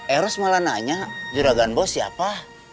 eros malah nanya juragan bos siapa